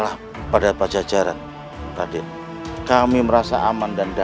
hidup raden kian santang